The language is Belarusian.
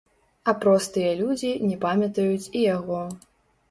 А простыя людзі не памятаюць і яго.